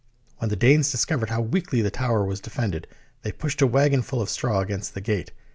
When the Danes discovered how weakly the tower was de fended, they pushed a wagon full of straw against the gate.